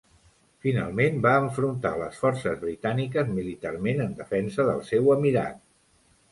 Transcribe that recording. Finalment va enfrontar a les forces britàniques militarment en defensa del seu emirat.